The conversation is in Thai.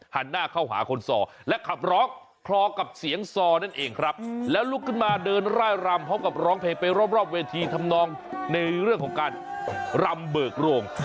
หันหน้าเข้าหาคนซอและขับร้องคลอกับเสียงซอนั่นเองครับแล้วลุกขึ้นมาเดินร่ายรำพร้อมกับร้องเพลงไปรอบเวทีทำนองในเรื่องของการรำเบิกโรง